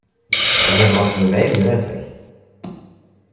Zedɣent mebɛid ɣef unafag.